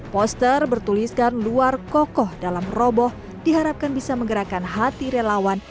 poster bertuliskan luar kokoh dalam roboh diharapkan bisa menggerakkan hati relawan